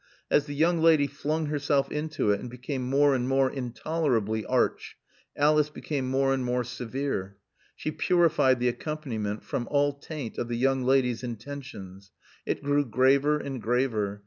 As the young lady flung herself into it and became more and more intolerably arch, Alice became more and more severe. She purified the accompaniment from all taint of the young lady's intentions. It grew graver and graver.